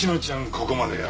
ここまでや。